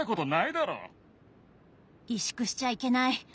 萎縮しちゃいけない。